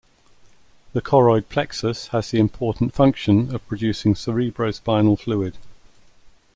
The choroid plexus has the important function of producing cerebrospinal fluid.